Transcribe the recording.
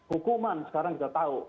hukuman sekarang kita tahu